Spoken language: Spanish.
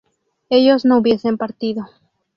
ellos no hubiesen partido